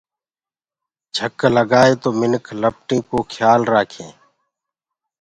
جھڪ لگآئي تو منِک لپٽينٚ ڪو کيآل رآکي۔